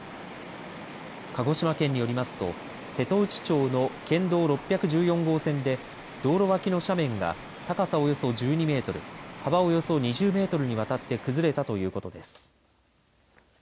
鹿児島県によりますと瀬戸内町の県道６１４号線で道路脇の斜面が高さおよそ１２メートル幅およそ２０メートルにわたって崩れたということです。